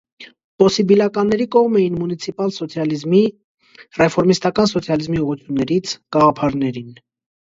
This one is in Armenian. Պոսիբիլականների կողմ էին «մունիցիպալ սոցիալիզմի» (ռեֆորմիստական սոցիալիզմի ուղղություններից) գաղափարներին։